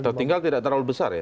tertinggal tidak terlalu besar ya